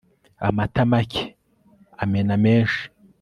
amata make amena menshi